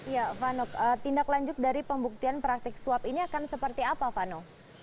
ya vano tindak lanjut dari pembuktian praktik suap ini akan seperti apa vano